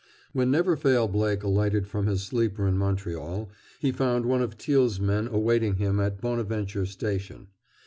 V When Never Fail Blake alighted from his sleeper in Montreal he found one of Teal's men awaiting him at Bonaventure Station.